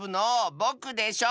ぼくでしょ！